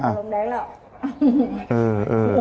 เออ